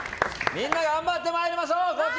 みんな頑張ってまいりましょう。